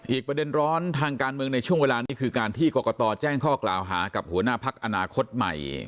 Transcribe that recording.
อีกประเด็นร้อนทางการเมืองในช่วงเวลานี้คือการที่กรกตแจ้งข้อกล่าวหากับหัวหน้าพักอนาคตใหม่